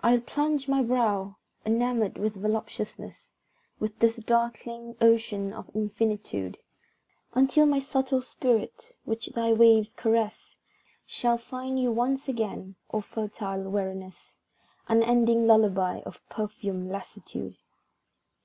I'll plunge my brow, enamoured with voluptuousness Within this darkling ocean of infinitude, Until my subtle spirit, which thy waves caress, Shall find you once again, O fertile weariness; Unending lullabye of perfumed lassitude!